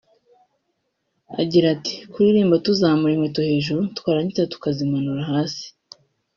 Agira ati “Kuririmba tuzamura inkweto hejuru twarangiza tukazimanura hasi